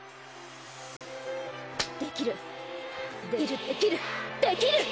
できるできるできる！